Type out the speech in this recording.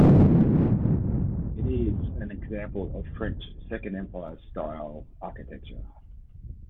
It is an example of French Second Empire-style architecture.